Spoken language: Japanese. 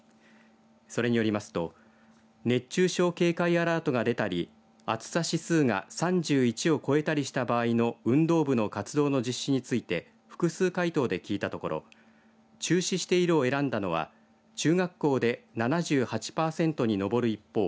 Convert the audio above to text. それによりますと熱中症警戒アラートが出たり暑さ指数が３１を超えたりした場合の運動部の活動の実施について複数回答で聞いたところ中止しているを選んだのは中学校で７８パーセントに上る一方